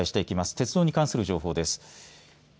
鉄道に関する情報です。